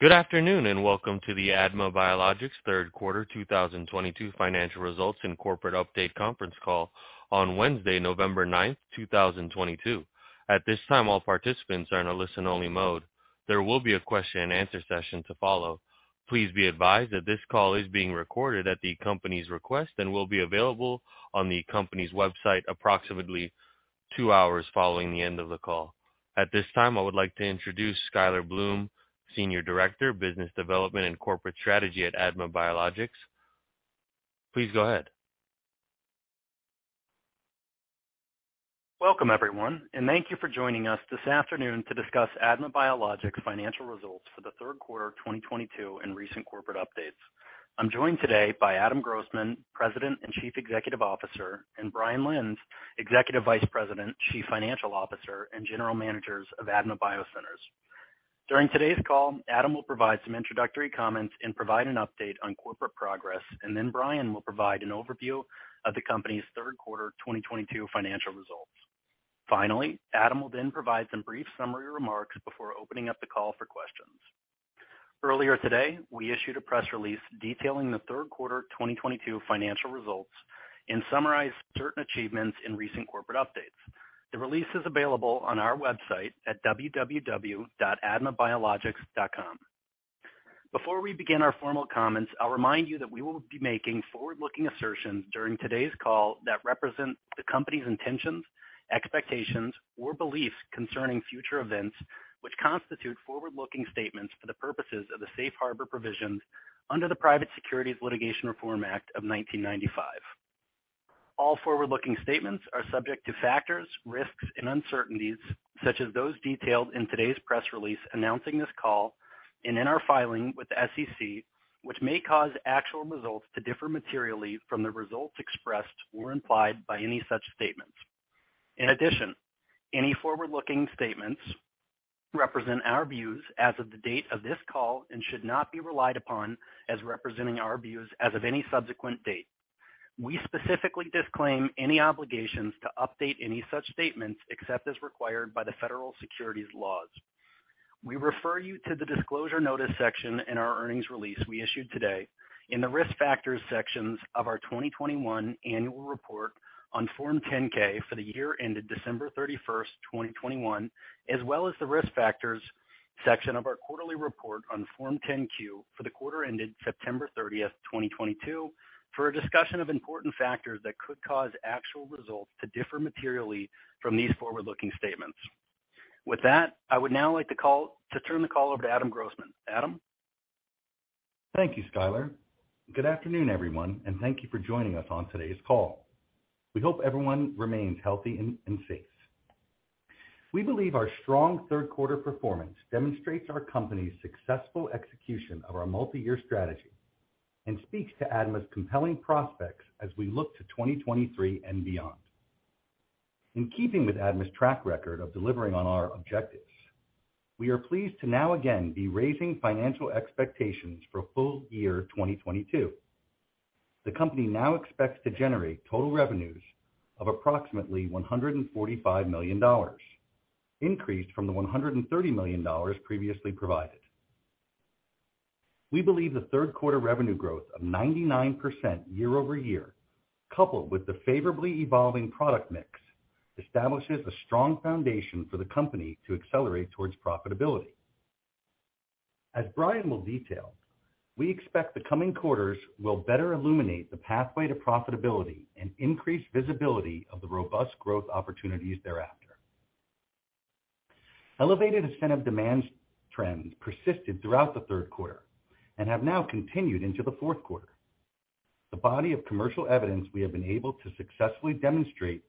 Good afternoon, and welcome to the ADMA Biologics Third Quarter 2022 Financial Results and Corporate Update Conference Call on Wednesday, November 9th, 2022. At this time, all participants are in a listen-only mode. There will be a question and answer session to follow. Please be advised that this call is being recorded at the company's request and will be available on the company's website approximately two hours following the end of the call. At this time, I would like to introduce Skyler Bloom, Senior Director, Business Development and Corporate Strategy, ADMA Biologics. Please go ahead. Welcome, everyone, and thank you for joining us this afternoon to discuss ADMA Biologics' financial results for the third quarter of 2022 and recent corporate updates. I'm joined today by Adam Grossman, President and Chief Executive Officer, and Brian Lenz, Executive Vice President, Chief Financial Officer, and General Managers of ADMA BioCenters. During today's call, Adam will provide some introductory comments and provide an update on corporate progress and then Brian will provide an overview of the company's third quarter 2022 financial results. Finally, Adam will then provide some brief summary remarks before opening up the call for questions. Earlier today, we issued a press release detailing the third quarter 2022 financial results and summarized certain achievements in recent corporate updates. The release is available on our website at www.admabiologics.com. Before we begin our formal comments, I'll remind you that we will be making forward-looking assertions during today's call that represent the company's intentions, expectations, or beliefs concerning future events, which constitute forward-looking statements for the purposes of the safe harbor provisions under the Private Securities Litigation Reform Act of 1995. All forward-looking statements are subject to factors, risks, and uncertainties, such as those detailed in today's press release announcing this call and in our filing with the SEC, which may cause actual results to differ materially from the results expressed or implied by any such statements. In addition, any forward-looking statements represent our views as of the date of this call and should not be relied upon as representing our views as of any subsequent date. We specifically disclaim any obligations to update any such statements except as required by the federal securities laws. We refer you to the Disclosure Notice section in our earnings release we issued today in the Risk Factors sections of our 2021 annual report on Form 10-K for the year ended December 31st, 2021, as well as the Risk Factors section of our quarterly report on Form 10-Q for the quarter ended September 30th, 2022, for a discussion of important factors that could cause actual results to differ materially from these forward-looking statements. With that, I would now like to turn the call over to Adam Grossman. Adam? Thank you, Skyler. Good afternoon, everyone, and thank you for joining us on today's call. We hope everyone remains healthy and safe. We believe our strong third quarter performance demonstrates our company's successful execution of our multi-year strategy and speaks to ADMA's compelling prospects as we look to 2023 and beyond. In keeping with ADMA's track record of delivering on our objectives, we are pleased to now again be raising financial expectations for full year 2022. The company now expects to generate total revenues of approximately $145 million, increased from the $130 million previously provided. We believe the third quarter revenue growth of 99% year-over-year, coupled with the favorably evolving product mix, establishes a strong foundation for the company to accelerate towards profitability. As Brian will detail, we expect the coming quarters will better illuminate the pathway to profitability and increase visibility of the robust growth opportunities thereafter. Elevated ASCENIV demand trends persisted throughout the third quarter and have now continued into the fourth quarter. The body of commercial evidence we have been able to successfully demonstrate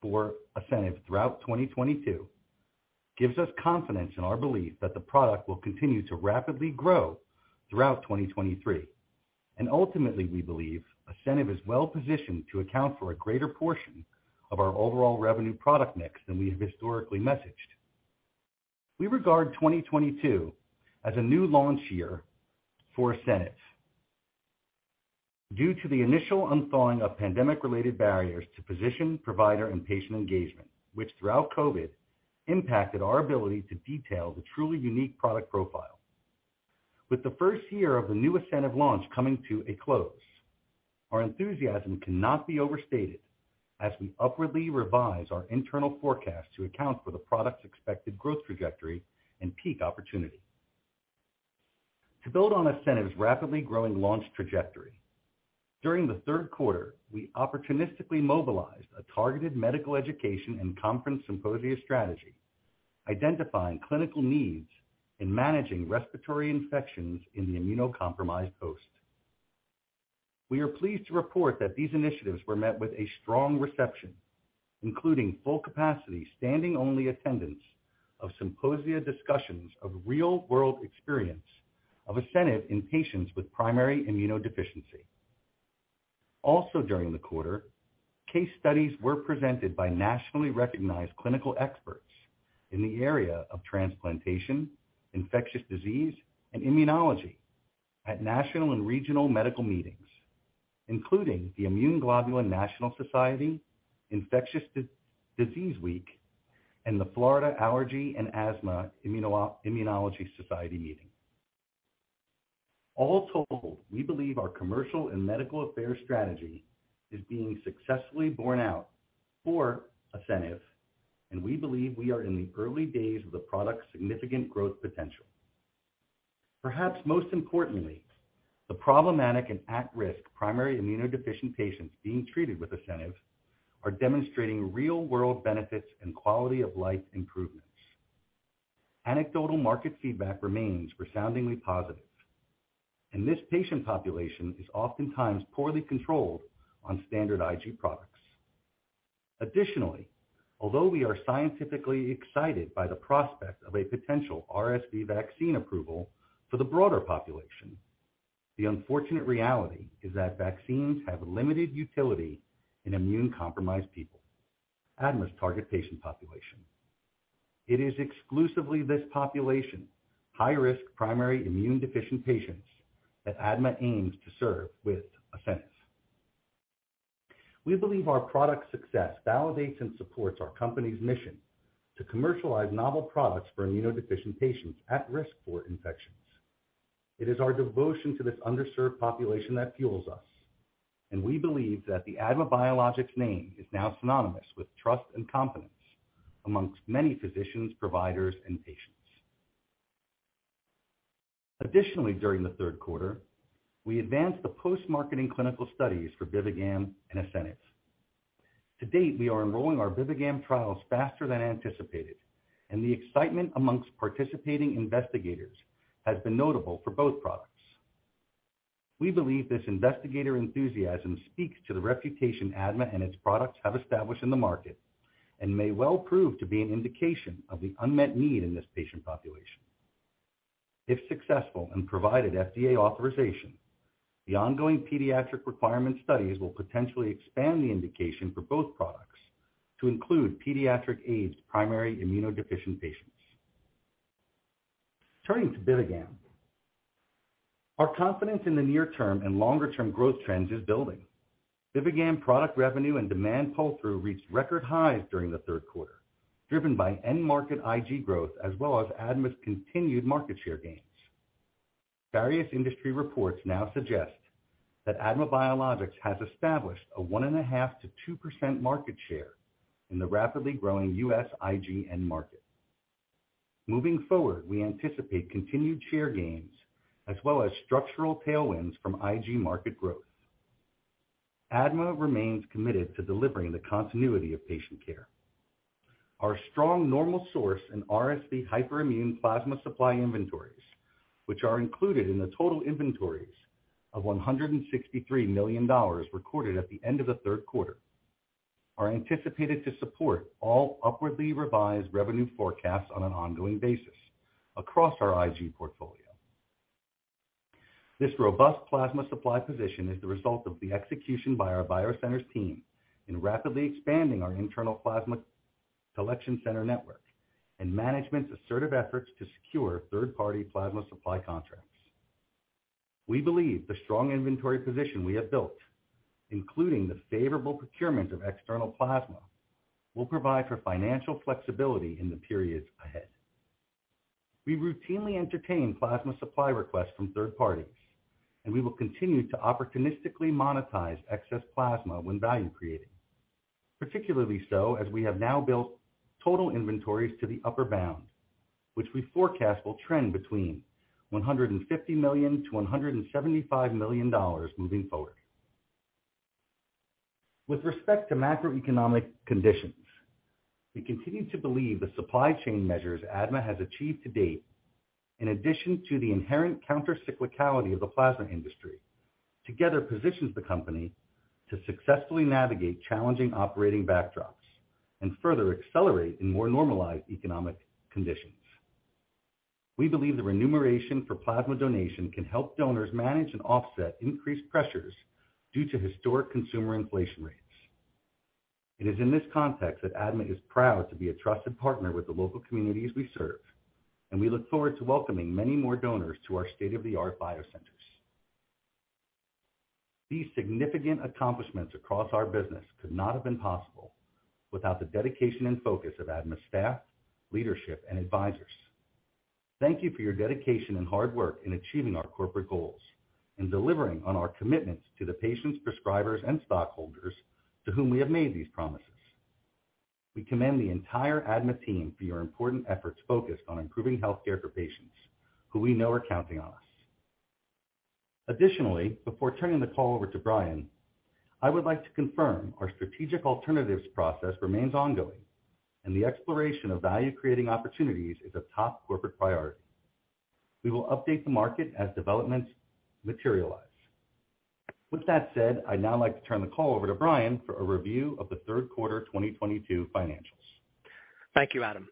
for ASCENIV throughout 2022 gives us confidence in our belief that the product will continue to rapidly grow throughout 2023. Ultimately, we believe ASCENIV is well-positioned to account for a greater portion of our overall revenue product mix than we have historically messaged. We regard 2022 as a new launch year for ASCENIV due to the initial thawing of pandemic-related barriers to physician, provider, and patient engagement, which throughout COVID impacted our ability to detail the truly unique product profile. With the first year of the new ASCENIV launch coming to a close, our enthusiasm cannot be overstated as we upwardly revise our internal forecast to account for the product's expected growth trajectory and peak opportunity. To build on ASCENIV's rapidly growing launch trajectory, during the third quarter, we opportunistically mobilized a targeted medical education and conference symposia strategy, identifying clinical needs in managing respiratory infections in the immunocompromised host. We are pleased to report that these initiatives were met with a strong reception, including full capacity standing-only attendance of symposia discussions of real-world experience of ASCENIV in patients with primary immunodeficiency. Also during the quarter, case studies were presented by nationally recognized clinical experts in the area of transplantation, infectious disease, and immunology at national and regional medical meetings, including the Immunoglobulin National Society, IDWeek, and the Florida Allergy, Asthma & Immunology Society meeting. All told, we believe our commercial and medical affairs strategy is being successfully borne out for ASCENIV, and we believe we are in the early days of the product's significant growth potential. Perhaps most importantly, the problematic and at-risk primary immunodeficient patients being treated with ASCENIV are demonstrating real-world benefits and quality of life improvements. Anecdotal market feedback remains resoundingly positive, and this patient population is oftentimes poorly controlled on standard IG products. Additionally, although we are scientifically excited by the prospect of a potential RSV vaccine approval for the broader population, the unfortunate reality is that vaccines have limited utility in immune-compromised people, ADMA's target patient population. It is exclusively this population, high-risk primary immune-deficient patients, that ADMA aims to serve with ASCENIV. We believe our product success validates and supports our company's mission to commercialize novel products for immunodeficient patients at risk for infections. It is our devotion to this underserved population that fuels us, and we believe that the ADMA Biologics name is now synonymous with trust and confidence among many physicians, providers, and patients. Additionally, during the third quarter, we advanced the post-marketing clinical studies for BIVIGAM and ASCENIV. To date, we are enrolling our BIVIGAM trials faster than anticipated, and the excitement among participating investigators has been notable for both products. We believe this investigator enthusiasm speaks to the reputation ADMA and its products have established in the market and may well prove to be an indication of the unmet need in this patient population. If successful and provided FDA authorization, the ongoing pediatric requirement studies will potentially expand the indication for both products to include pediatric-aged primary immunodeficient patients. Turning to BIVIGAM. Our confidence in the near-term and longer-term growth trends is building. BIVIGAM product revenue and demand pull-through reached record highs during the third quarter, driven by end market IG growth as well as ADMA's continued market share gains. Various industry reports now suggest that ADMA Biologics has established a 1.5%-2% market share in the rapidly growing U.S. IG end market. Moving forward, we anticipate continued share gains as well as structural tailwinds from IG market growth. ADMA remains committed to delivering the continuity of patient care. Our strong normal source and RSV hyperimmune plasma supply inventories, which are included in the total inventories of $163 million recorded at the end of the third quarter, are anticipated to support all upwardly revised revenue forecasts on an ongoing basis across our IG portfolio. This robust plasma supply position is the result of the execution by our BioCenters team in rapidly expanding our internal plasma collection center network and management's assertive efforts to secure third-party plasma supply contracts. We believe the strong inventory position we have built, including the favorable procurement of external plasma, will provide for financial flexibility in the periods ahead. We routinely entertain plasma supply requests from third parties, and we will continue to opportunistically monetize excess plasma when value-creating. Particularly so as we have now built total inventories to the upper bound, which we forecast will trend between $150 million-$175 million moving forward. With respect to macroeconomic conditions, we continue to believe the supply chain measures ADMA has achieved to date, in addition to the inherent countercyclicality of the plasma industry, together positions the company to successfully navigate challenging operating backdrops and further accelerate in more normalized economic conditions. We believe the remuneration for plasma donation can help donors manage and offset increased pressures due to historic consumer inflation rates. It is in this context that ADMA is proud to be a trusted partner with the local communities we serve, and we look forward to welcoming many more donors to our state-of-the-art biocenters. These significant accomplishments across our business could not have been possible without the dedication and focus of ADMA staff, leadership, and advisors. Thank you for your dedication and hard work in achieving our corporate goals and delivering on our commitments to the patients, prescribers, and stockholders to whom we have made these promises. We commend the entire ADMA team for your important efforts focused on improving health care for patients who we know are counting on us. Additionally, before turning the call over to Brian, I would like to confirm our strategic alternatives process remains ongoing and the exploration of value-creating opportunities is a top corporate priority. We will update the market as developments materialize. With that said, I'd now like to turn the call over to Brian for a review of the third quarter 2022 financials. Thank you, Adam.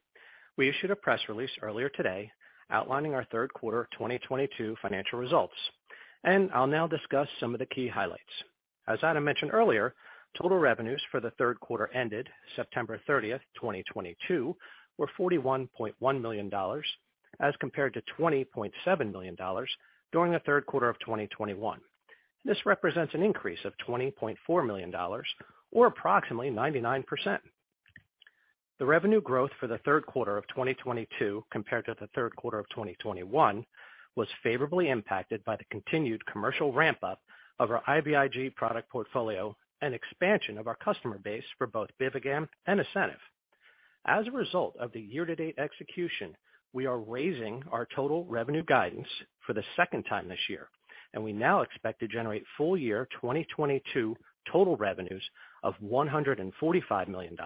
We issued a press release earlier today outlining our third quarter 2022 financial results, and I'll now discuss some of the key highlights. As Adam mentioned earlier, total revenues for the third quarter ended September 30th, 2022 were $41.1 million, as compared to $20.7 million during the third quarter of 2021. This represents an increase of $20.4 million or approximately 99%. The revenue growth for the third quarter of 2022 compared to the third quarter of 2021 was favorably impacted by the continued commercial ramp up of our IVIG product portfolio and expansion of our customer base for both BIVIGAM and ASCENIV. As a result of the year-to-date execution, we are raising our total revenue guidance for the second time this year, and we now expect to generate full year 2022 total revenues of $145 million,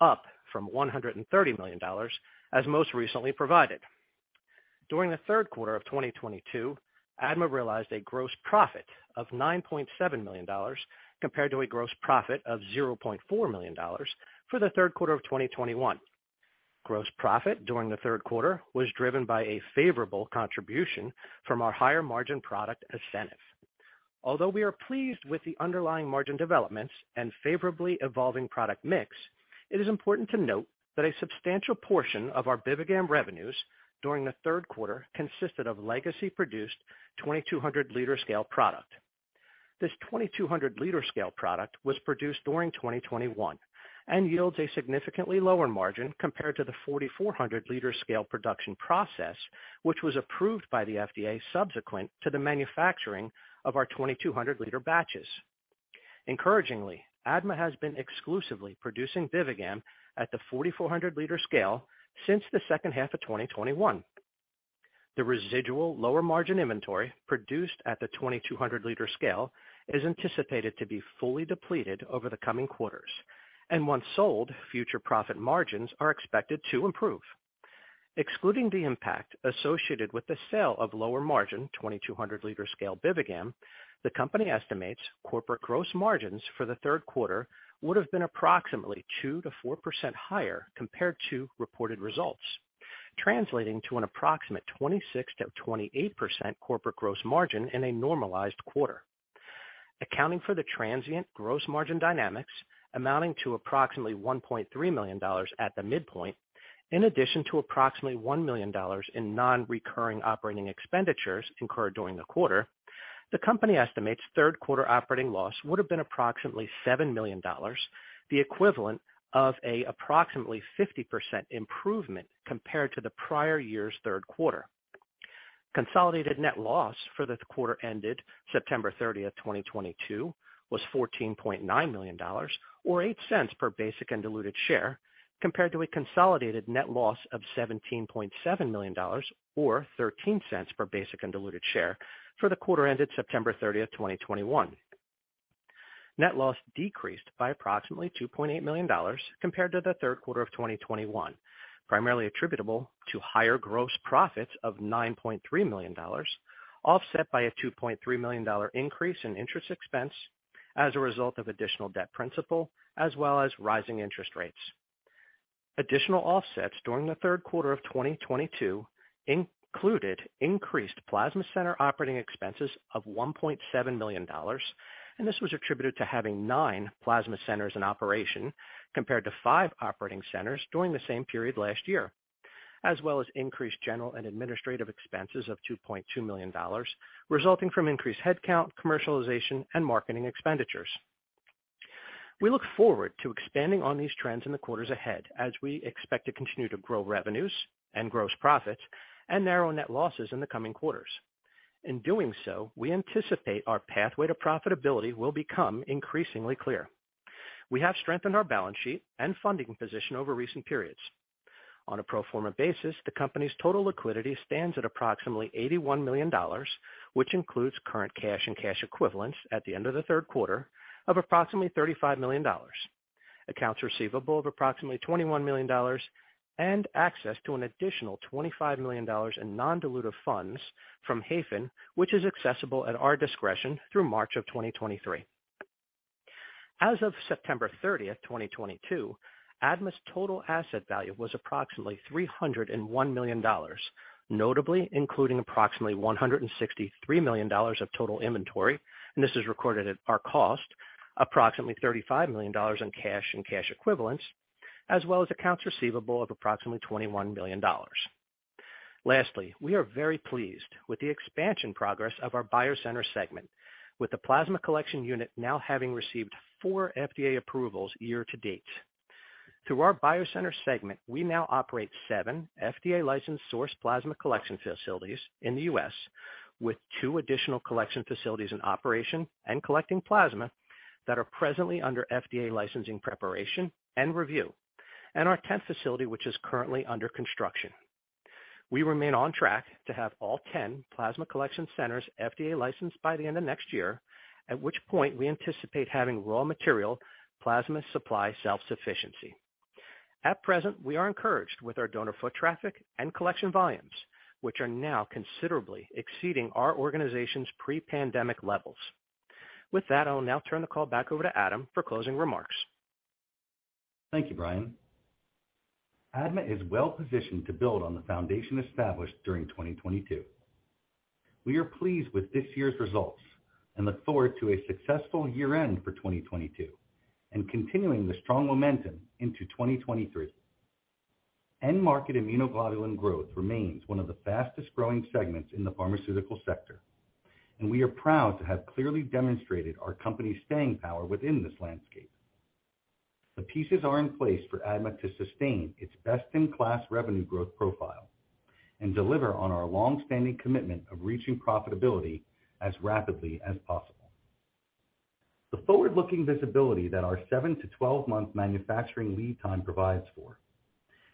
up from $130 million as most recently provided. During the third quarter of 2022, ADMA realized a gross profit of $9.7 million compared to a gross profit of $0.4 million for the third quarter of 2021. Gross profit during the third quarter was driven by a favorable contribution from our higher margin product, ASCENIV. Although we are pleased with the underlying margin developments and favorably evolving product mix, it is important to note that a substantial portion of our BIVIGAM revenues during the third quarter consisted of legacy produced 2,200 L scale product. This 2,200 L scale product was produced during 2021 and yields a significantly lower margin compared to the 4,400 L scale production process, which was approved by the FDA subsequent to the manufacturing of our 2,200 L batches. Encouragingly, ADMA has been exclusively producing BIVIGAM at the 4,400-liter scale since the second half of 2021. The residual lower margin inventory produced at the 2,200 L scale is anticipated to be fully depleted over the coming quarters, and once sold, future profit margins are expected to improve. Excluding the impact associated with the sale of lower margin 2,200 L scale BIVIGAM, the company estimates corporate gross margins for the third quarter would have been approximately 2%-4% higher compared to reported results, translating to an approximate 26%-28% corporate gross margin in a normalized quarter. Accounting for the transient gross margin dynamics amounting to approximately $1.3 million at the midpoint, in addition to approximately $1 million in non-recurring operating expenditures incurred during the quarter, the company estimates third quarter operating loss would have been approximately $7 million, the equivalent of approximately 50% improvement compared to the prior year's third quarter. Consolidated net loss for the quarter ended September 30th, 2022 was $14.9 million, or $0.08 per basic and diluted share, compared to a consolidated net loss of $17.7 million or $0.13 per basic and diluted share for the quarter ended September 30th, 2021. Net loss decreased by approximately $2.8 million compared to the third quarter of 2021, primarily attributable to higher gross profits of $9.3 million, offset by a $2.3 million increase in interest expense as a result of additional debt principal as well as rising interest rates. Additional offsets during the third quarter of 2022 included increased plasma center operating expenses of $1.7 million, and this was attributed to having nine plasma centers in operation compared to five operating centers during the same period last year, as well as increased general and administrative expenses of $2.2 million resulting from increased headcount, commercialization and marketing expenditures. We look forward to expanding on these trends in the quarters ahead as we expect to continue to grow revenues and gross profits and narrow net losses in the coming quarters. In doing so, we anticipate our pathway to profitability will become increasingly clear. We have strengthened our balance sheet and funding position over recent periods. On a pro forma basis, the company's total liquidity stands at approximately $81 million, which includes current cash and cash equivalents at the end of the third quarter of approximately $35 million, accounts receivable of approximately $21 million, and access to an additional $25 million in non-dilutive funds from Hayfin, which is accessible at our discretion through March of 2023. As of September 30th, 2022, ADMA's total asset value was approximately $301 million, notably including approximately $163 million of total inventory, and this is recorded at our cost, approximately $35 million in cash and cash equivalents, as well as accounts receivable of approximately $21 million. We are very pleased with the expansion progress of our BioCenters segment, with the plasma collection unit now having received four FDA approvals year to date. Through our BioCenters segment, we now operate seven FDA licensed source plasma collection facilities in the U.S., with two additional collection facilities in operation and collecting plasma that are presently under FDA licensing preparation and review, and our 10th facility, which is currently under construction. We remain on track to have all 10 plasma collection centers FDA licensed by the end of next year, at which point we anticipate having raw material plasma supply self-sufficiency. At present, we are encouraged with our donor foot traffic and collection volumes, which are now considerably exceeding our organization's pre-pandemic levels. With that, I will now turn the call back over to Adam for closing remarks. Thank you, Brian. ADMA is well positioned to build on the foundation established during 2022. We are pleased with this year's results and look forward to a successful year-end for 2022 and continuing the strong momentum into 2023. End market immunoglobulin growth remains one of the fastest-growing segments in the pharmaceutical sector, and we are proud to have clearly demonstrated our company's staying power within this landscape. The pieces are in place for ADMA to sustain its best-in-class revenue growth profile and deliver on our long-standing commitment of reaching profitability as rapidly as possible. The forward-looking visibility that our seven to 12-month manufacturing lead time provides for,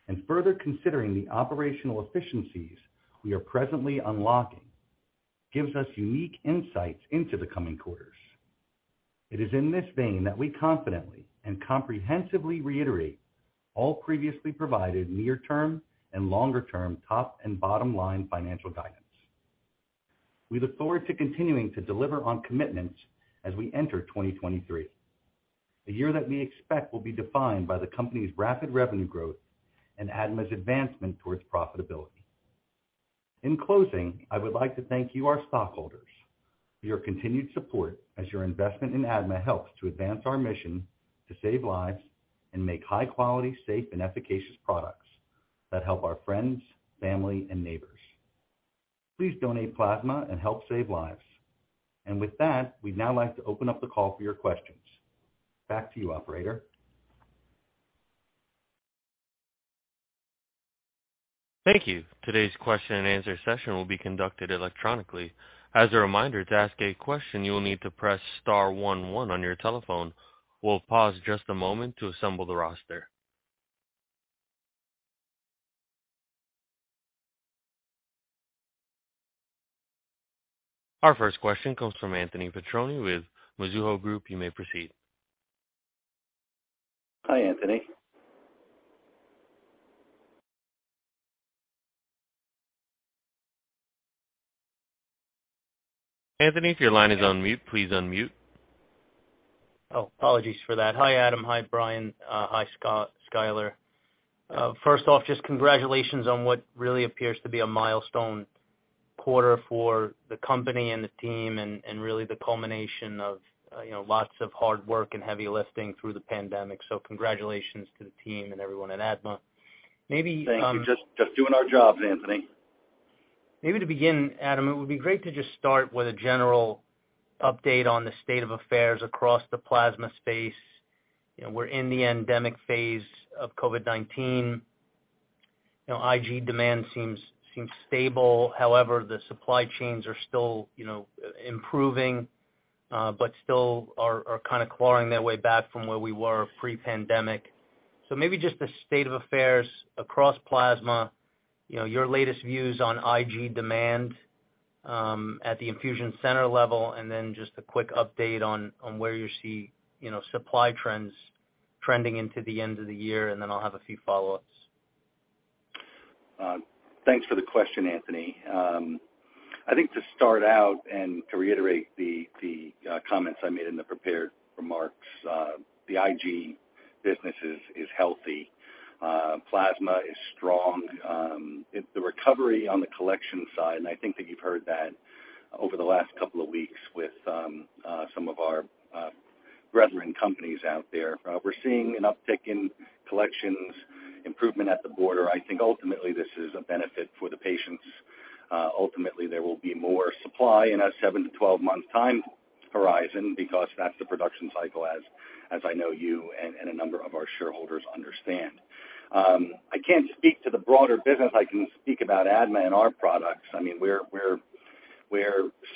and further considering the operational efficiencies we are presently unlocking, gives us unique insights into the coming quarters. It is in this vein that we confidently and comprehensively reiterate all previously provided near-term and longer-term top and bottom line financial guidance. We look forward to continuing to deliver on commitments as we enter 2023, a year that we expect will be defined by the company's rapid revenue growth and ADMA's advancement towards profitability. In closing, I would like to thank you, our stockholders, for your continued support as your investment in ADMA helps to advance our mission to save lives and make high quality, safe, and efficacious products that help our friends, family, and neighbors. Please donate plasma and help save lives. With that, we'd now like to open up the call for your questions. Back to you, operator. Thank you. Today's question-and-answer session will be conducted electronically. As a reminder, to ask a question, you will need to press star one one on your telephone. We'll pause just a moment to assemble the roster. Our first question comes from Anthony Petrone with Mizuho Group. You may proceed. Hi, Anthony. Anthony, if your line is on mute, please unmute. Oh, apologies for that. Hi, Adam. Hi, Brian. Hi, Skyler. First off, just congratulations on what really appears to be a milestone quarter for the company and the team and really the culmination of you know, lots of hard work and heavy lifting through the pandemic. Congratulations to the team and everyone at ADMA. Thank you. Just doing our jobs, Anthony. Maybe to begin, Adam, it would be great to just start with a general update on the state of affairs across the plasma space. You know, we're in the endemic phase of COVID-19. You know, IG demand seems stable. However, the supply chains are still, you know, improving, but still are kinda clawing their way back from where we were pre-pandemic. Maybe just the state of affairs across plasma, you know, your latest views on IG demand at the infusion center level, and then just a quick update on where you see, you know, supply trends trending into the end of the year, and then I'll have a few follow-ups. Thanks for the question, Anthony. I think to start out and to reiterate the comments I made in the prepared remarks, the IG business is healthy. Plasma is strong. The recovery on the collection side, and I think that you've heard that over the last couple of weeks with some of our brethren companies out there. We're seeing an uptick in collections improvement at the border. I think ultimately this is a benefit for the patients. Ultimately, there will be more supply in a seven to 12-month time horizon because that's the production cycle as I know you and a number of our shareholders understand. I can't speak to the broader business. I can speak about ADMA and our products. I mean, we're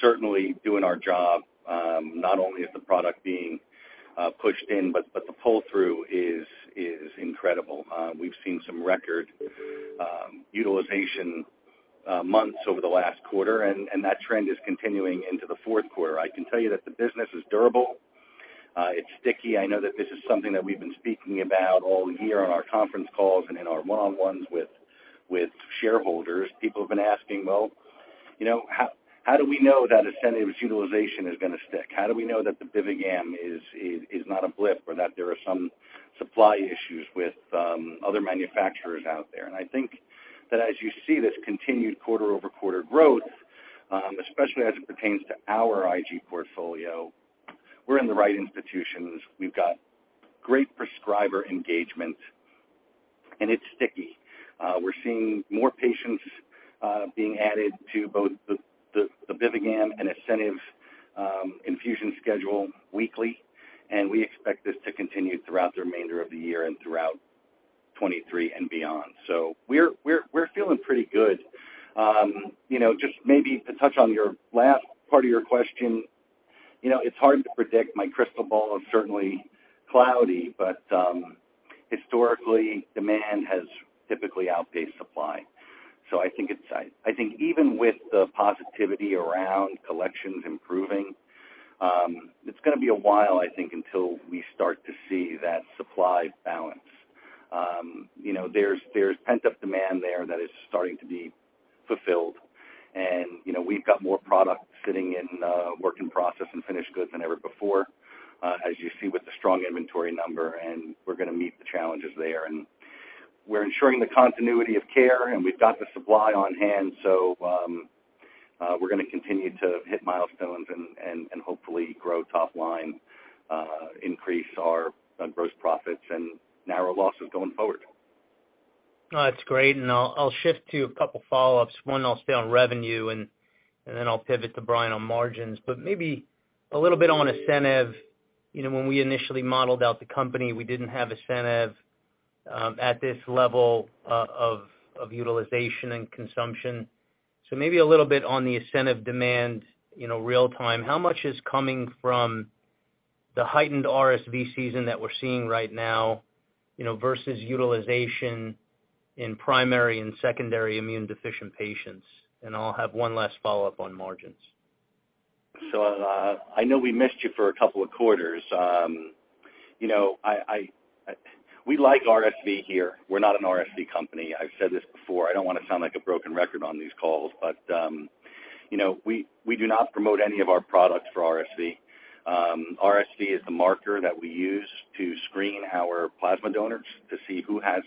certainly doing our job. Not only is the product being pushed in, but the pull-through is incredible. We've seen some record utilization months over the last quarter, and that trend is continuing into the fourth quarter. I can tell you that the business is durable. It's sticky. I know that this is something that we've been speaking about all year on our conference calls and in our one-on-ones with shareholders. People have been asking, "Well, you know, how do we know that ASCENIV utilization is gonna stick? How do we know that the BIVIGAM is not a blip or that there are some supply issues with other manufacturers out there?" I think that as you see this continued quarter-over-quarter growth, especially as it pertains to our IG portfolio, we're in the right institutions. We've got great prescriber engagement, and it's sticky. We're seeing more patients being added to both the BIVIGAM and ASCENIV infusion schedule weekly, and we expect this to continue throughout the remainder of the year and throughout 2023 and beyond. We're feeling pretty good. You know, just maybe to touch on your last part of your question, you know, it's hard to predict. My crystal ball is certainly cloudy, but historically, demand has typically outpaced supply. I think even with the positivity around collections improving, it's gonna be a while, I think, until we start to see that supply balance. You know, there's pent-up demand there that is starting to be fulfilled. You know, we've got more product sitting in work in process and finished goods than ever before, as you see with the strong inventory number, and we're gonna meet the challenges there. We're ensuring the continuity of care, and we've got the supply on hand, so we're gonna continue to hit milestones and hopefully grow top line, increase our gross profits and narrow losses going forward. No, that's great. I'll shift to a couple follow-ups. One, I'll stay on revenue and then I'll pivot to Brian on margins. Maybe a little bit on ASCENIV. You know, when we initially modeled out the company, we didn't have ASCENIV at this level of utilization and consumption. Maybe a little bit on the ASCENIV demand, you know, real time. How much is coming from the heightened RSV season that we're seeing right now, you know, versus utilization in primary and secondary immune deficient patients? I'll have one last follow-up on margins. I know we missed you for a couple of quarters. You know, we like RSV here. We're not an RSV company. I've said this before. I don't wanna sound like a broken record on these calls, but you know, we do not promote any of our products for RSV. RSV is the marker that we use to screen our plasma donors to see who has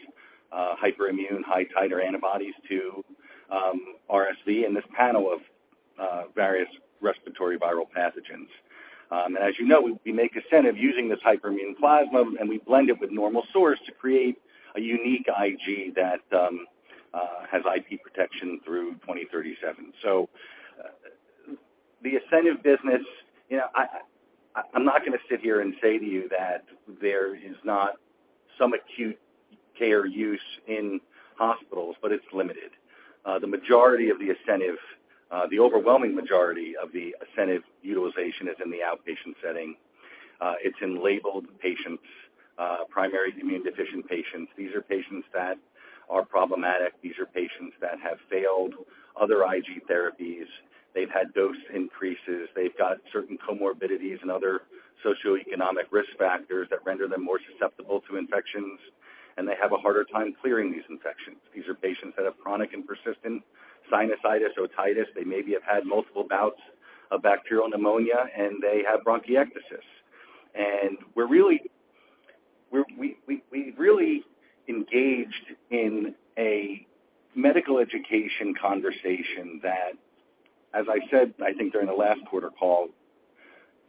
hyperimmune high titer antibodies to RSV and this panel of various respiratory viral pathogens. As you know, we make ASCENIV using this hyperimmune plasma, and we blend it with normal source to create a unique IG that has IP protection through 2037. The ASCENIV business, you know, I'm not gonna sit here and say to you that there is not some acute care use in hospitals, but it's limited. The majority of the ASCENIV, the overwhelming majority of the ASCENIV utilization is in the outpatient setting. It's in labeled patients, primary immune deficient patients. These are patients that are problematic. These are patients that have failed other IG therapies. They've had dose increases. They've got certain comorbidities and other socioeconomic risk factors that render them more susceptible to infections, and they have a harder time clearing these infections. These are patients that have chronic and persistent sinusitis, otitis. They maybe have had multiple bouts of bacterial pneumonia, and they have bronchiectasis. We've really engaged in a medical education conversation that, as I said, I think during the last quarter call,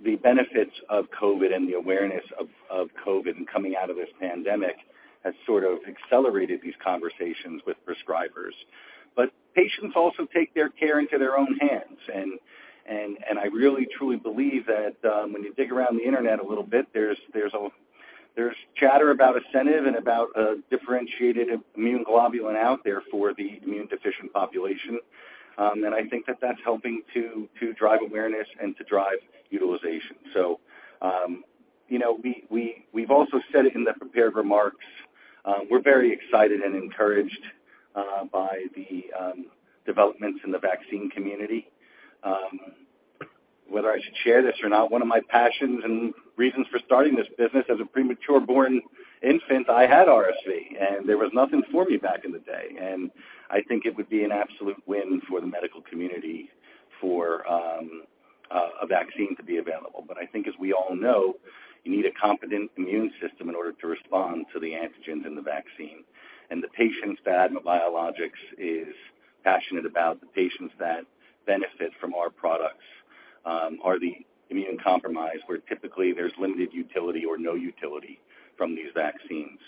the benefits of COVID and the awareness of COVID and coming out of this pandemic has sort of accelerated these conversations with prescribers. Patients also take their care into their own hands. I really truly believe that, when you dig around the Internet a little bit, there's chatter about ASCENIV and about a differentiated immune globulin out there for the immune deficient population. I think that that's helping to drive awareness and to drive utilization. You know, we've also said it in the prepared remarks, we're very excited and encouraged by the developments in the vaccine community. Whether I should share this or not, one of my passions and reasons for starting this business as a prematurely born infant, I had RSV, and there was nothing for me back in the day. I think it would be an absolute win for the medical community for a vaccine to be available. I think as we all know, you need a competent immune system in order to respond to the antigens in the vaccine. The patients that Biologics is passionate about, the patients that benefit from our products, are the immunocompromised, where typically there's limited utility or no utility from these vaccines.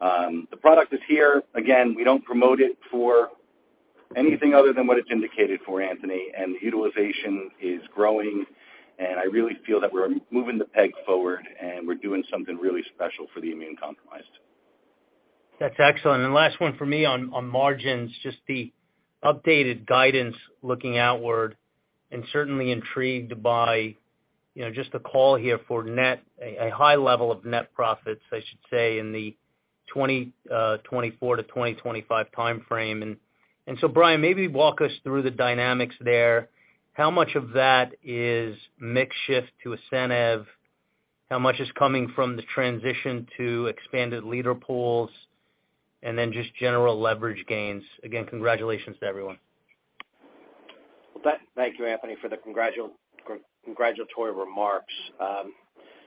The product is here. Again, we don't promote it for anything other than what it's indicated for, Anthony, and the utilization is growing, and I really feel that we're moving the ball forward, and we're doing something really special for the immunocompromised. That's excellent. Last one for me on margins, just the updated guidance looking outward and certainly intrigued by, you know, just the call here for net, a high level of net profits, I should say, in the 2024 to 2025 time frame. Brian, maybe walk us through the dynamics there. How much of that is mix shift to ASCENIV? How much is coming from the transition to expanded liter pools? Then just general leverage gains. Again, congratulations to everyone. Thank you, Anthony, for the congratulatory remarks.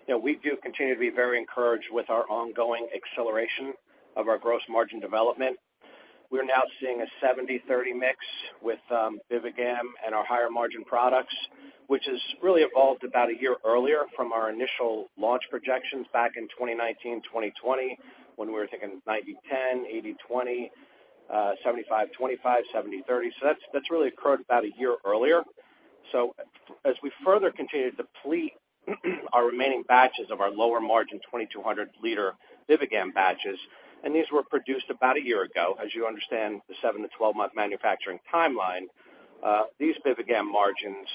You know, we do continue to be very encouraged with our ongoing acceleration of our gross margin development. We're now seeing a 70/30 mix with BIVIGAM and our higher margin products, which has really evolved about a year earlier from our initial launch projections back in 2019, 2020 when we were thinking 90/10, 80/20, 75/25, 70/30. That's really occurred about a year earlier. As we further continue to deplete our remaining batches of our lower margin 2,200 L BIVIGAM batches, and these were produced about a year ago, as you understand the seven to 12-month manufacturing timeline, these BIVIGAM margins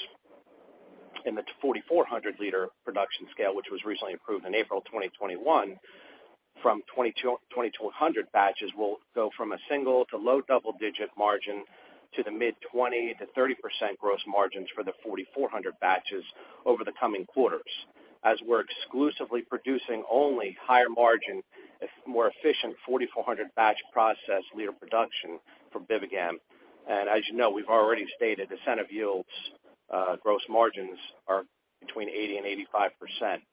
in the 4,400 L production scale, which was recently approved in April 2021 from 2,200 batches, will go from a single- to low double-digit margin to the mid 20% to 30% gross margins for the 4,400 batches over the coming quarters. As we're exclusively producing only higher margin, more efficient 4,400 batch process liter production from BIVIGAM. As you know, we've already stated ASCENIV yields gross margins are between 80% and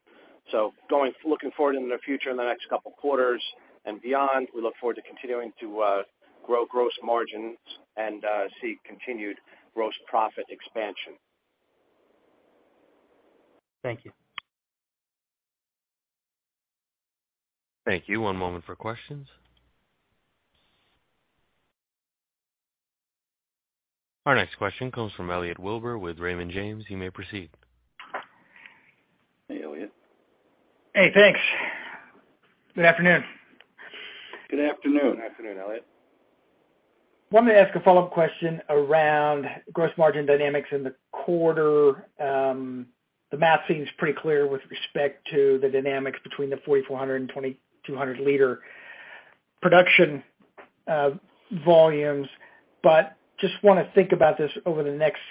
85%. Looking forward into the future in the next couple quarters and beyond, we look forward to continuing to grow gross margins and see continued gross profit expansion. Thank you. Thank you. One moment for questions. Our next question comes from Elliot Wilbur with Raymond James. You may proceed. Hey, Elliot. Hey, thanks. Good afternoon. Good afternoon. Good afternoon, Elliot. Wanted to ask a follow-up question around gross margin dynamics in the quarter. The math seems pretty clear with respect to the dynamics between the 4,400 and 2,200 liter production volumes. Just wanna think about this over the next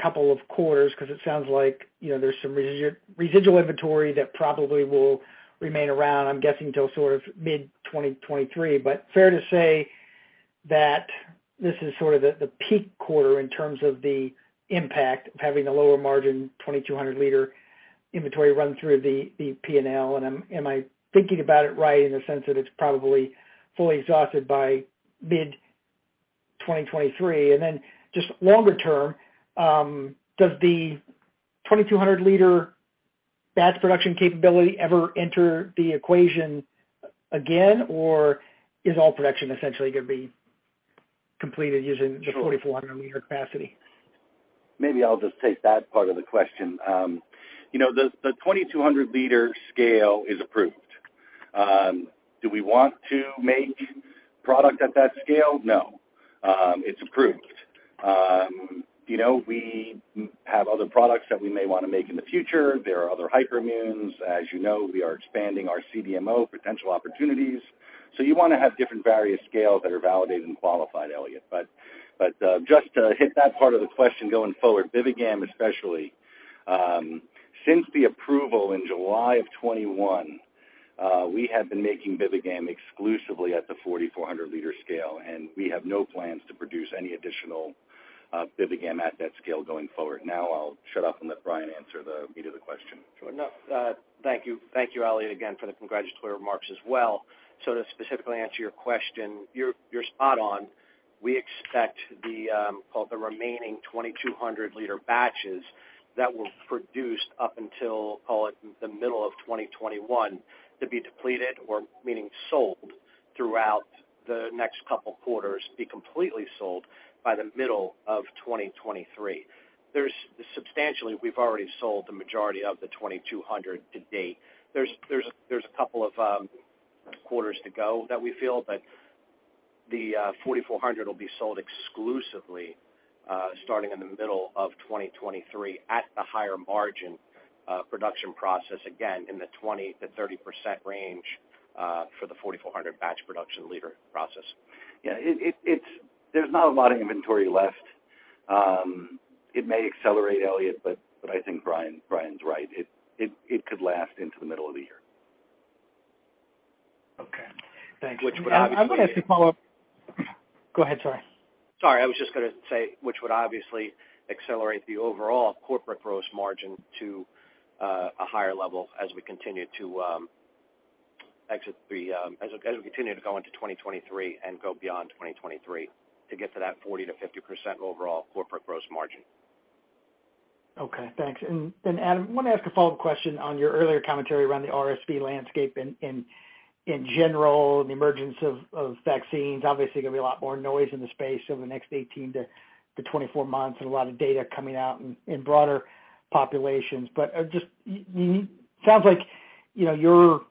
couple of quarters, 'cause it sounds like, you know, there's some residual inventory that probably will remain around, I'm guessing, till sort of mid-2023. Fair to say that this is sort of the peak quarter in terms of the impact of having the lower margin 2,200 L inventory run through the P&L. Am I thinking about it right in the sense that it's probably fully exhausted by mid-2023? Just longer term, does the 2,200 L batch production capability ever enter the equation again, or is all production essentially gonna be completed using- Sure. the 4,400 L capacity? Maybe I'll just take that part of the question. You know, the 2,200 L scale is approved. Do we want to make product at that scale? No. It's approved. You know, we have other products that we may wanna make in the future. There are other hyperimmunes. As you know, we are expanding our CDMO potential opportunities. So you wanna have different various scales that are validated and qualified, Elliot. But just to hit that part of the question going forward, BIVIGAM especially, since the approval in July of 2021, we have been making BIVIGAM exclusively at the 4,400 L scale, and we have no plans to produce any additional BIVIGAM at that scale going forward. Now I'll shut up and let Brian answer the meat of the question. Sure. No, thank you. Thank you, Elliot, again, for the congratulatory remarks as well. To specifically answer your question, you're spot on. We expect the remaining 2,200 L batches that were produced up until the middle of 2021 to be depleted, meaning sold throughout the next couple quarters, to be completely sold by the middle of 2023. Substantially, we've already sold the majority of the 2,200 to date. There's a couple of quarters to go that we feel that the 4,400 will be sold exclusively starting in the middle of 2023 at the higher margin production process, again in the 20%-30% range for the 4,400 batch production liter process. Yeah. There's not a lot of inventory left. It may accelerate, Elliot, but I think Brian's right. It could last into the middle of the year. Okay. Thank you. Which would obviously- I was gonna ask a follow-up. Go ahead, sorry. Sorry. I was just gonna say, which would obviously accelerate the overall corporate gross margin to a higher level as we continue to go into 2023 and go beyond 2023 to get to that 40%-50% overall corporate gross margin. Okay, thanks. Then Adam, I wanna ask a follow-up question on your earlier commentary around the RSV landscape in general and the emergence of vaccines. Obviously gonna be a lot more noise in the space over the next 18-24 months and a lot of data coming out in broader populations. Just sounds like, you know, your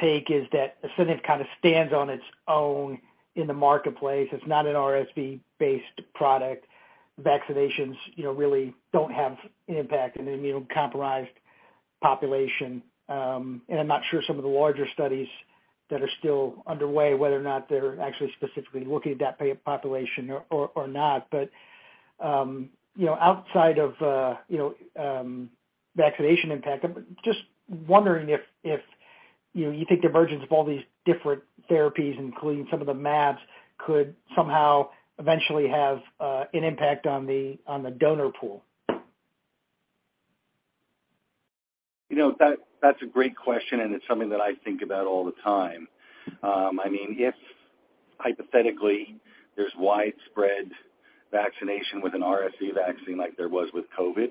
take is that ASCENIV kind of stands on its own in the marketplace. It's not an RSV-based product. Vaccinations, you know, really don't have impact in an immunocompromised population. I'm not sure some of the larger studies that are still underway, whether or not they're actually specifically looking at that population or not. You know, outside of you know, vaccination impact, I'm just wondering if you know, you think the emergence of all these different therapies, including some of the mAbs, could somehow eventually have an impact on the donor pool. You know, that's a great question, and it's something that I think about all the time. I mean, if hypothetically there's widespread vaccination with an RSV vaccine like there was with COVID,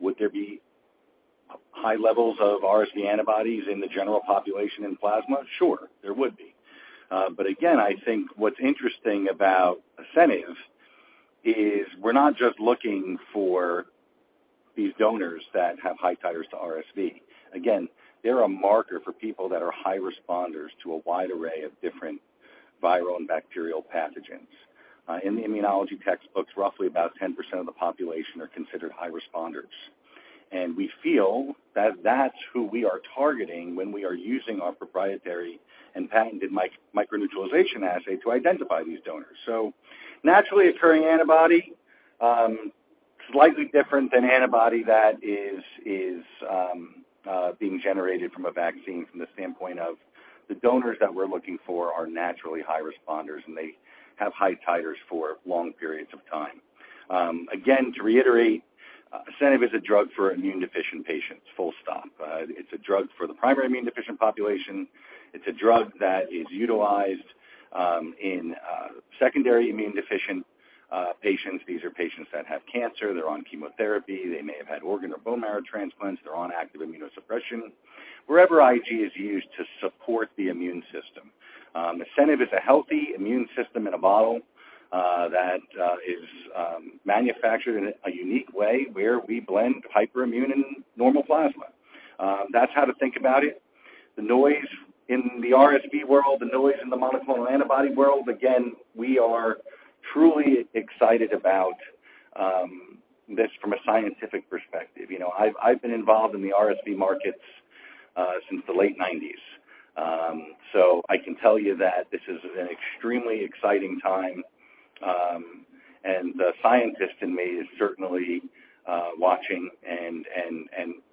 would there be high levels of RSV antibodies in the general population in plasma? Sure, there would be. But again, I think what's interesting about ASCENIV is we're not just looking for these donors that have high titers to RSV. Again, they're a marker for people that are high responders to a wide array of different viral and bacterial pathogens. In the immunology textbooks, roughly about 10% of the population are considered high responders. We feel that that's who we are targeting when we are using our proprietary and patented micro neutralization assay to identify these donors. Naturally occurring antibody, slightly different than antibody that is being generated from a vaccine from the standpoint of the donors that we're looking for are naturally high responders, and they have high titers for long periods of time. Again, to reiterate, ASCENIV is a drug for immune deficient patients, full stop. It's a drug for the primary immune deficient population. It's a drug that is utilized in secondary immune deficient patients. These are patients that have cancer. They're on chemotherapy. They may have had organ or bone marrow transplants. They're on active immunosuppression. Wherever IG is used to support the immune system. ASCENIV is a healthy immune system in a bottle, that is manufactured in a unique way where we blend hyperimmune and normal plasma. That's how to think about it. The noise in the RSV world, the noise in the monoclonal antibody world, again, we are truly excited about this from a scientific perspective. You know, I've been involved in the RSV markets since the late nineties. So I can tell you that this is an extremely exciting time. The scientist in me is certainly watching and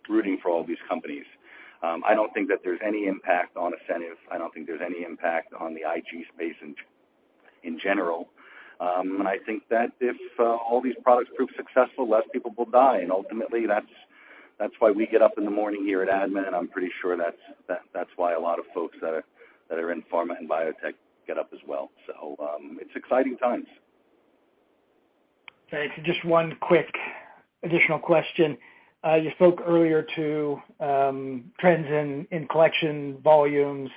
rooting for all these companies. I don't think that there's any impact on ASCENIV. I don't think there's any impact on the IG space in general. I think that if all these products prove successful, less people will die. Ultimately, that's why we get up in the morning here at ADMA, and I'm pretty sure that's why a lot of folks that are in pharma and biotech get up as well. It's exciting times. Thanks. Just one quick additional question. You spoke earlier to trends in collection volumes.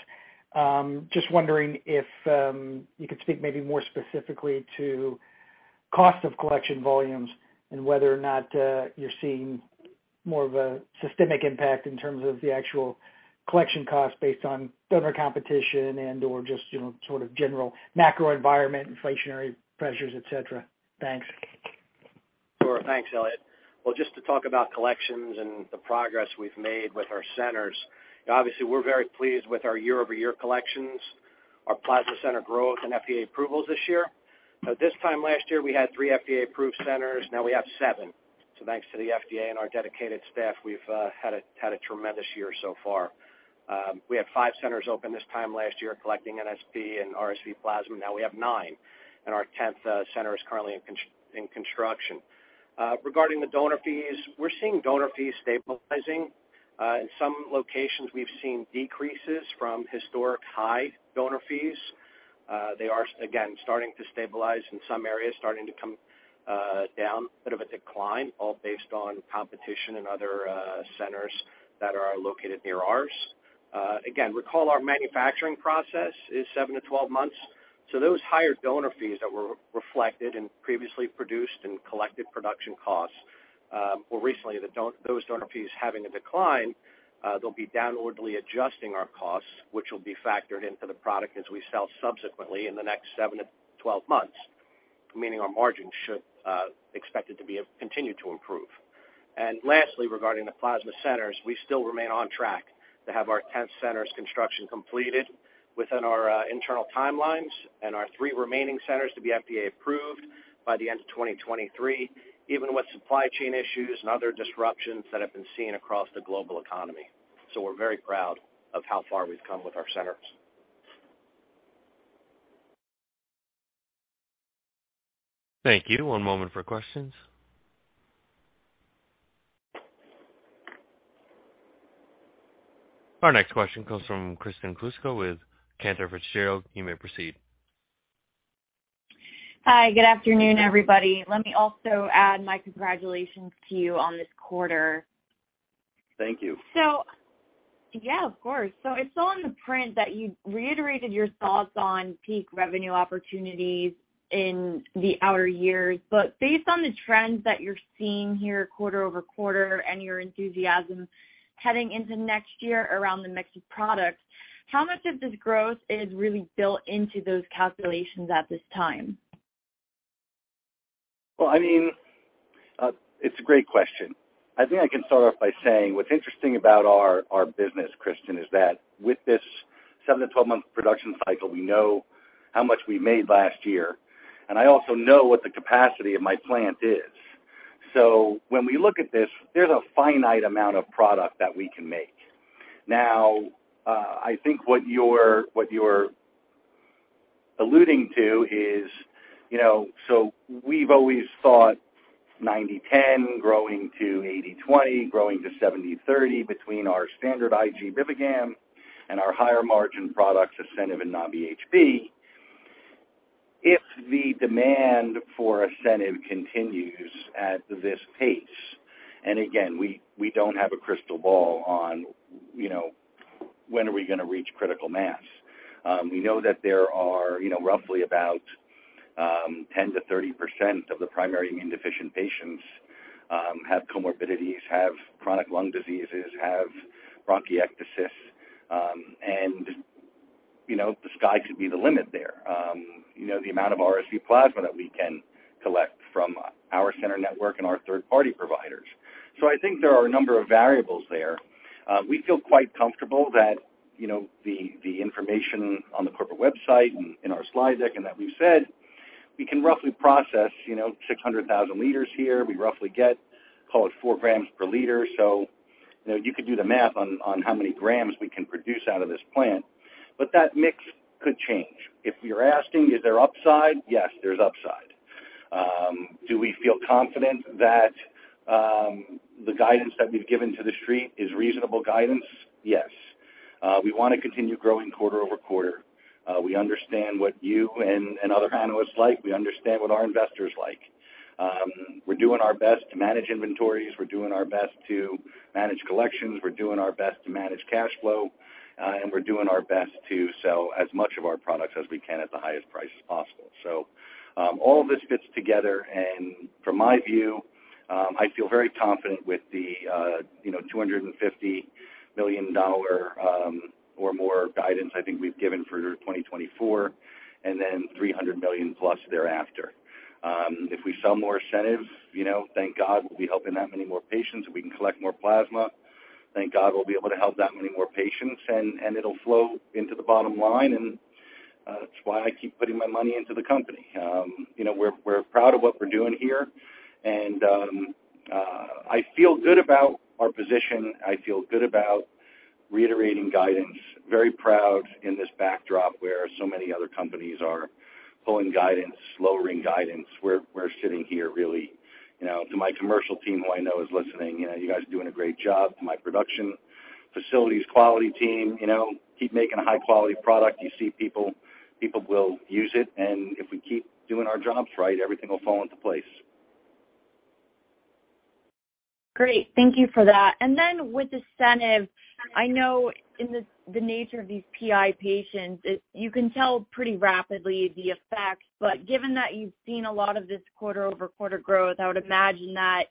Just wondering if you could speak maybe more specifically to cost of collection volumes and whether or not you're seeing more of a systemic impact in terms of the actual collection costs based on donor competition and, or just, you know, sort of general macro environment, inflationary pressures, et cetera. Thanks. Sure. Thanks, Elliot. Well, just to talk about collections and the progress we've made with our centers, obviously, we're very pleased with our year-over-year collections, our plasma center growth and FDA approvals this year. At this time last year, we had three FDA-approved centers, now we have seven. Thanks to the FDA and our dedicated staff, we've had a tremendous year so far. We had five centers open this time last year collecting NSP and RSV plasma. Now we have nine, and our tenth center is currently in construction. Regarding the donor fees, we're seeing donor fees stabilizing. In some locations, we've seen decreases from historic high donor fees. They are, again, starting to stabilize in some areas, starting to come down, bit of a decline, all based on competition and other centers that are located near ours. Again, recall our manufacturing process is seven to 12 months. Those higher donor fees that were reflected and previously produced in collected production costs, or recently those donor fees having a decline, they'll be downwardly adjusting our costs, which will be factored into the product as we sell subsequently in the next seven to 12 months, meaning our margin should expected to be continue to improve. Lastly, regarding the plasma centers, we still remain on track to have our tenth center's construction completed within our internal timelines and our three remaining centers to be FDA approved by the end of 2023, even with supply chain issues and other disruptions that have been seen across the global economy. We're very proud of how far we've come with our centers. Thank you. One moment for questions. Our next question comes from Kristen Kluska with Cantor Fitzgerald. You may proceed. Hi, good afternoon, everybody. Let me also add my congratulations to you on this quarter. Thank you. Yeah, of course. I saw in the print that you reiterated your thoughts on peak revenue opportunities in the outer years, but based on the trends that you're seeing here quarter-over-quarter and your enthusiasm heading into next year around the mix of products, how much of this growth is really built into those calculations at this time? Well, I mean, it's a great question. I think I can start off by saying what's interesting about our business, Kristen, is that with this seven to 12 month production cycle, we know how much we made last year, and I also know what the capacity of my plant is. When we look at this, there's a finite amount of product that we can make. Now, I think what you're alluding to is, you know, we've always thought 90%-10% growing to 80%-20%, growing to 70%-30% between our standard IG BIVIGAM and our higher margin products, ASCENIV and Nabi-HB. If the demand for ASCENIV continues at this pace, and again, we don't have a crystal ball on, you know, when are we gonna reach critical mass. We know that there are, you know, roughly about 10%-30% of the primary immunodeficient patients have comorbidities, have chronic lung diseases, have bronchiectasis, and you know, the sky could be the limit there. You know, the amount of RSV plasma that we can collect from our center network and our third-party providers. I think there are a number of variables there. We feel quite comfortable that, you know, the information on the corporate website and in our slide deck, and that we've said we can roughly process, you know, 600,000 L here. We roughly get, call it 4 g per liter. You know, you could do the math on how many grams we can produce out of this plant. That mix could change. If you're asking, is there upside? Yes, there's upside. Do we feel confident that the guidance that we've given to the street is reasonable guidance? Yes. We wanna continue growing quarter-over-quarter. We understand what you and other analysts like. We understand what our investors like. We're doing our best to manage inventories. We're doing our best to manage collections. We're doing our best to manage cash flow. We're doing our best to sell as much of our products as we can at the highest price possible. All of this fits together. From my view, I feel very confident with the, you know, $250 million or more guidance I think we've given for 2024 and then $300 million+ thereafter. If we sell more of ASCENIV, you know, thank God, we'll be helping that many more patients. If we can collect more plasma, thank God, we'll be able to help that many more patients and it'll flow into the bottom line, and that's why I keep putting my money into the company. You know, we're proud of what we're doing here, and I feel good about our position. I feel good about reiterating guidance. Very proud in this backdrop where so many other companies are pulling guidance, lowering guidance. We're sitting here really, you know. To my commercial team, who I know is listening, you know, you guys are doing a great job. To my production facilities, quality team, you know, keep making a high quality product. You see people will use it, and if we keep doing our jobs right, everything will fall into place. Great. Thank you for that. With the ASCENIV, I know in the the nature of these PI patients, it you can tell pretty rapidly the effects. Given that you've seen a lot of this quarter-over-quarter growth, I would imagine that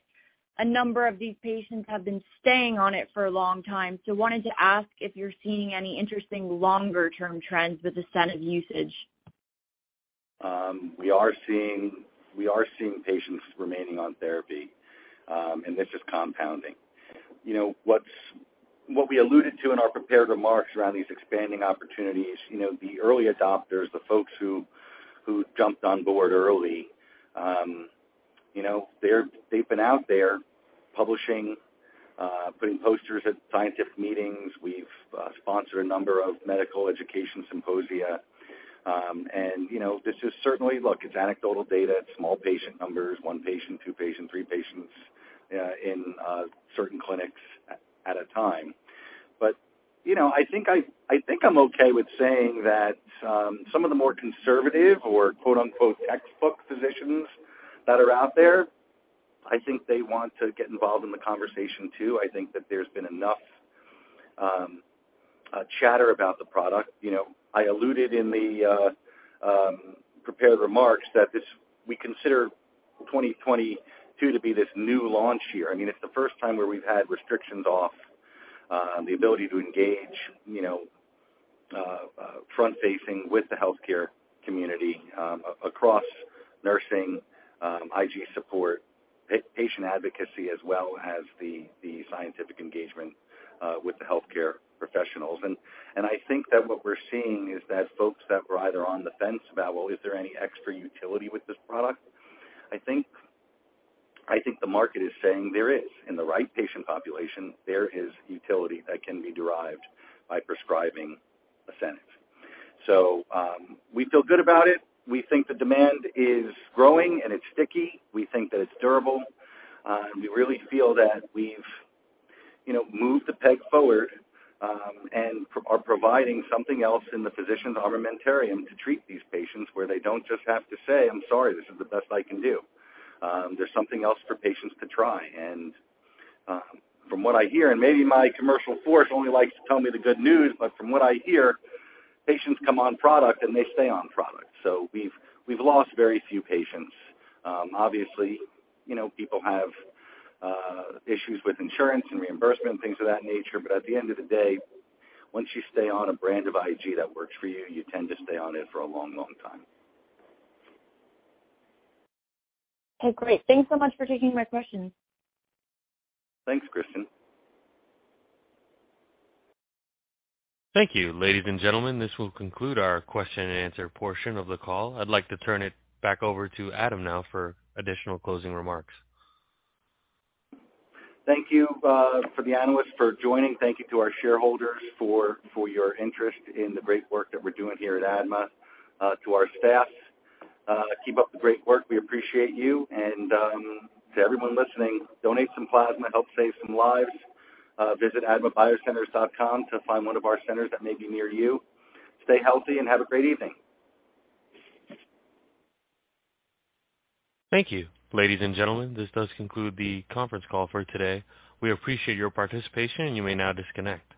a number of these patients have been staying on it for a long time. Wanted to ask if you're seeing any interesting longer-term trends with the ASCENIV usage. We are seeing patients remaining on therapy, and this is compounding. You know, what we alluded to in our prepared remarks around these expanding opportunities, you know, the early adopters, the folks who jumped on board early, you know, they've been out there publishing, putting posters at scientific meetings. We've sponsored a number of medical education symposia. You know, this is certainly. Look, it's anecdotal data, it's small patient numbers, one patient, two patients, three patients, in certain clinics at a time. You know, I think I'm okay with saying that some of the more conservative or quote-unquote "textbook physicians" that are out there, I think they want to get involved in the conversation too. I think that there's been enough chatter about the product. You know, I alluded in the prepared remarks that we consider 2022 to be this new launch year. I mean, it's the first time where we've had restrictions off the ability to engage, you know, front-facing with the healthcare community, across nursing, IG support, patient advocacy, as well as the scientific engagement with the healthcare professionals. I think that what we're seeing is that folks that were either on the fence about, well, is there any extra utility with this product? I think the market is saying there is. In the right patient population, there is utility that can be derived by prescribing ASCENIV. We feel good about it. We think the demand is growing and it's sticky. We think that it's durable. We really feel that we've, you know, moved the peg forward, and are providing something else in the physician's armamentarium to treat these patients where they don't just have to say, "I'm sorry, this is the best I can do." There's something else for patients to try. From what I hear, and maybe my commercial force only likes to tell me the good news, but from what I hear, patients come on product and they stay on product. We've lost very few patients. Obviously, you know, people have issues with insurance and reimbursement, things of that nature, but at the end of the day, once you stay on a brand of IG that works for you tend to stay on it for a long, long time. Okay, great. Thanks so much for taking my questions. Thanks, Kristen. Thank you. Ladies and gentlemen, this will conclude our question and answer portion of the call. I'd like to turn it back over to Adam now for additional closing remarks. Thank you to the analysts for joining. Thank you to our shareholders for your interest in the great work that we're doing here at ADMA. To our staff, keep up the great work. We appreciate you. To everyone listening, donate some plasma, help save some lives. Visit admabiocenters.com to find one of our centers that may be near you. Stay healthy and have a great evening. Thank you. Ladies and gentlemen, this does conclude the conference call for today. We appreciate your participation, and you may now disconnect.